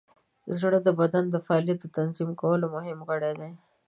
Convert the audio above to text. زړه د بدن د فعالیتونو د تنظیم کولو مهم غړی دی.